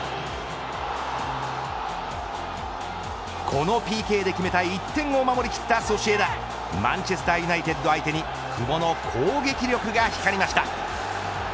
このＰＫで決めた１点を守り切ったソシエダマンチェスター・ユナイテッド相手に久保の攻撃力が光りました。